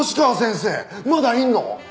まだいるの？